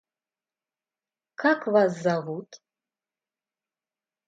Как вас зовут?